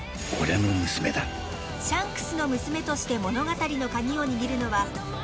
［シャンクスの娘として物語の鍵を握るのは］